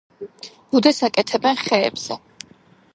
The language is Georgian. ბუდეს აკეთებენ ხეებზე.